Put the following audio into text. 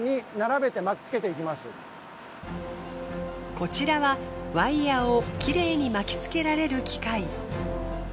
こちらはワイヤーをきれいに巻きつけられる機械。